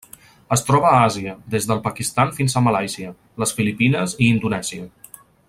Es troba a Àsia: des del Pakistan fins a Malàisia, les Filipines i Indonèsia.